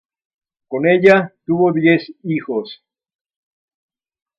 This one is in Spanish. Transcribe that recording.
Con ella tuvo diez hijos.